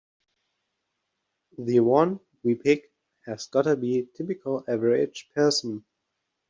The one we pick has gotta be the typical average person.